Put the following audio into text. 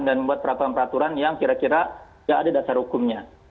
dan membuat peraturan peraturan yang kira kira nggak ada dasar hukumnya